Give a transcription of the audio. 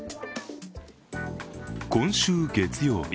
今週月曜日